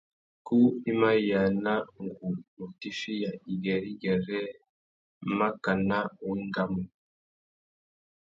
Kú i ma yāna ngu mù tifiya igüêrê-igüêrê makana wa engamú.